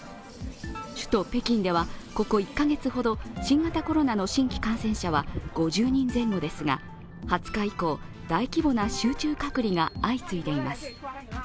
首都・北京ではここ１カ月ほど、新型コロナの新規感染者は５０人前後ですが、２０日以降、大規模な集中隔離が相次いでいます。